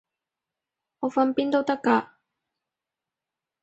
我瞓邊都得㗎